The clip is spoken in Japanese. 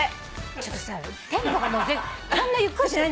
ちょっとさテンポがもうこんなゆっくりじゃないんだって。